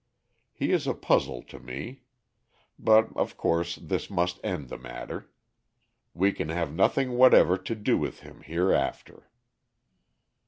He is a puzzle to me. But, of course, this must end the matter. We can have nothing whatever to do with him hereafter."